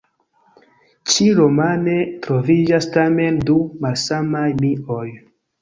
Ĉi-romane troviĝas tamen du malsamaj mioj.